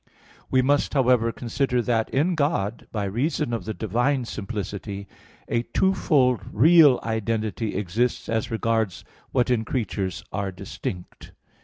We must, however, consider that in God, by reason of the divine simplicity, a twofold real identity exists as regards what in creatures are distinct.